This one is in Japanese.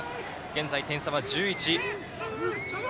現在点差は１１。